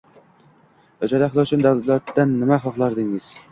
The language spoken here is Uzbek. Ijod ahli uchun davlatdan nima xohlardingiz?